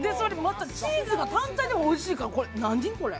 チーズがまた単体でもおいしいから、何これ？